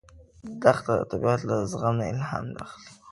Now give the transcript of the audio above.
دښته د طبیعت له زغم نه الهام اخلي.